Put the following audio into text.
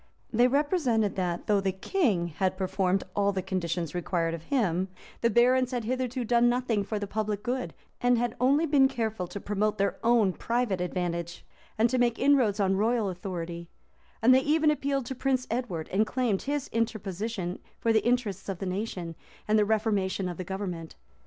They represented that, though the king had performed all the conditions required of him, the barons had hitherto done nothing for the public good, and had only been careful to promote their own private advantage, and to make inroads on royal authority; and they even appealed to Prince Edward, and claimed his interposition for the interests of the nation, and the reformation of the government.